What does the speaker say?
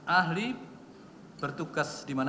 ahli bertugas dimana